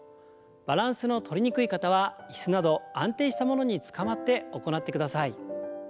バランスのとりにくい方は椅子など安定したものにつかまって行ってください。